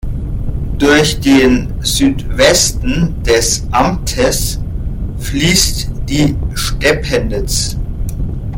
Durch den Südwesten des Amtes fließt die Stepenitz.